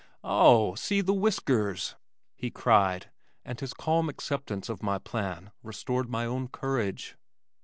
"Oh, see the whiskers!" he cried and his calm acceptance of my plan restored my own courage.